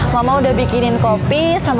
mama udah bikinin kopi sama